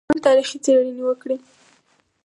ماري سټیفن تاریخي څېړنې وکړې.